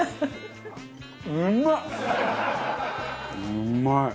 うまい。